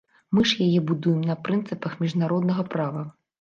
Мы ж яе будуем на прынцыпах міжнароднага права.